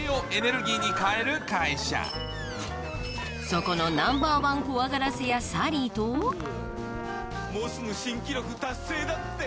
そこのナンバーワン怖がらせ屋サリーともうすぐ新記録達成だって？